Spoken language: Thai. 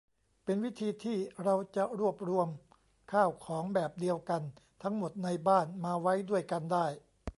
เป็นวิธีที่เราจะรวบรวมข้าวของแบบเดียวกันทั้งหมดในบ้านมาไว้ด้วยกันได้